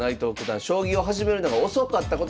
将棋を始めるのが遅かったことでも知られてます。